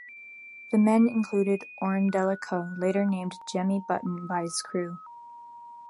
The men included "Orundellico," later named Jemmy Button by his crew.